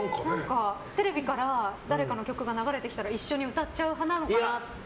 テレビから誰かの曲が流れてきたら一緒に歌っちゃう派なのかなって。